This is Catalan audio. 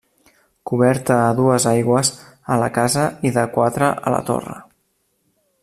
Coberta a dues aigües a la casa i de quatre a la torre.